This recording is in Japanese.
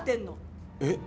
えっ？